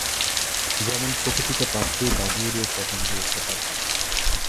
যেমন প্রকৃতিতে পাখি, বাদুড় ও পতঙ্গ উড়তে পারে।